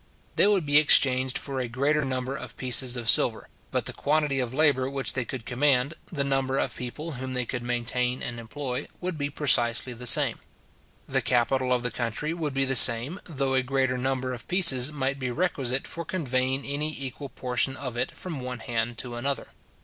They would be exchanged for a greater number of pieces of silver; but the quantity of labour which they could command, the number of people whom they could maintain and employ, would be precisely the same. The capital of the country would be the same, though a greater number of pieces might be requisite for conveying any equal portion of it from one hand to another.